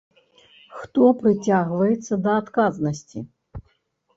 Хто прыцягваецца да адказнасці?